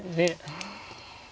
うん。